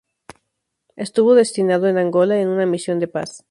Estuvo destinado en Angola, en una misión de paz.